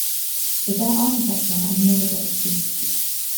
With their architecture I'd never get the speed.